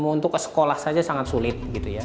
untuk ke sekolah saja sangat sulit